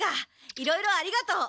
いろいろありがとう。